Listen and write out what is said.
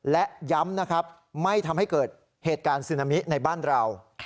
และย้ำนะครับไม่ทำให้เกิดเหตุการณ์ซึนามิในบ้านเรา